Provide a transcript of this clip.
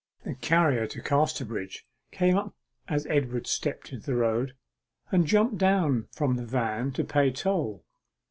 The carrier to Casterbridge came up as Edward stepped into the road, and jumped down from the van to pay toll.